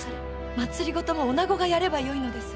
政もおなごがやればよいのです。